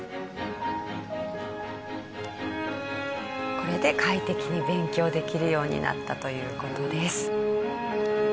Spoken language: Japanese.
これで快適に勉強できるようになったという事です。